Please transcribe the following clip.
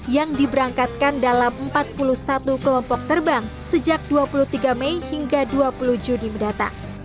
yang diberangkatkan dalam empat puluh satu kelompok terbang sejak dua puluh tiga mei hingga dua puluh juni mendatang